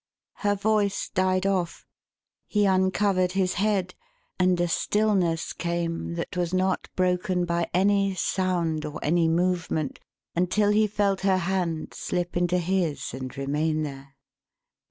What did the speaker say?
'" Her voice died off. He uncovered his head, and a stillness came that was not broken by any sound or any movement, until he felt her hand slip into his and remain there.